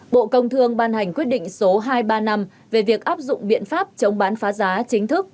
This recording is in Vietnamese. bộ công thương ban hành quyết định số hai trăm ba mươi năm về việc áp dụng biện pháp chống bán phá giá chính thức